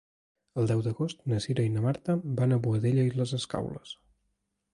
El deu d'agost na Cira i na Marta van a Boadella i les Escaules.